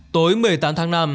tối một mươi tám tháng năm